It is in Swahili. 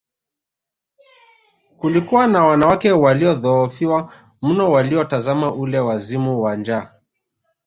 Kulikuwa na wanawake waliodhoofiwa mno waliotazama ule wazimu wa njaa